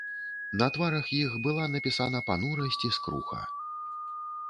На тварах іх была напісана панурасць і скруха.